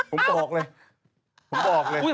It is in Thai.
ผมบอกเลย